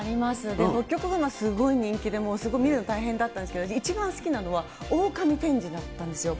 で、ホッキョクグマすごい人気で、すごい見るの大変だったんですけど、一番好きだったのはオオカミ展示だったんですよ。